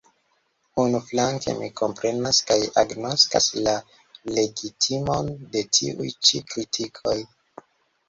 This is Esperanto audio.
Unuflanke, mi komprenas kaj agnoskas la legitimon de tiuj ĉi kritikoj.